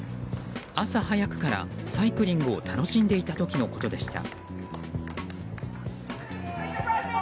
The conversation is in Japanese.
朝早くからサイクリングを楽しんでいた時のことでした。